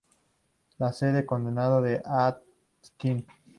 La sede de condado es Aitkin.